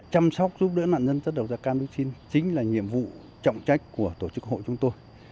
chăm sóc giúp đỡ nạn nhân chất độc da cam dioxin chính là nhiệm vụ trọng trách của tổ chức hội chúng tôi